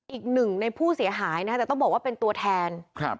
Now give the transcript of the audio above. อีกหนึ่งในผู้เสียหายนะคะแต่ต้องบอกว่าเป็นตัวแทนครับ